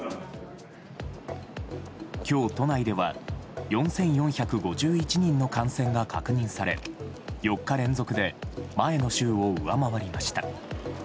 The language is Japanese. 今日、都内では４４５１人の感染が確認され４日連続で前の週を上回りました。